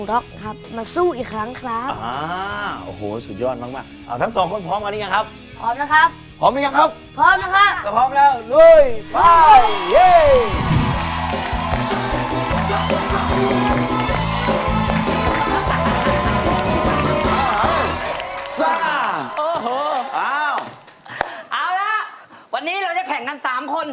เอาละวันนี้เราจะแข่งกัน๓คน